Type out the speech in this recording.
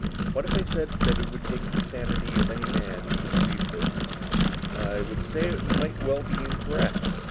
What if I said that it would take the sanity of any man who believed it?" "I would say that it might well be incorrect."